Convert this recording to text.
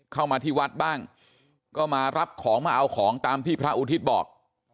เข้ามาที่วัดบ้างก็มารับของมาเอาของตามที่พระอุทิศบอก